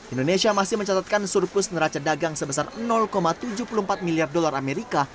indonesia masih mencatatkan surplus neraca dagang sebesar tujuh puluh empat miliar dolar amerika